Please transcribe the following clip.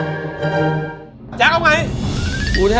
ดีช่วยคุณค่ะ